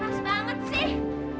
panas banget sih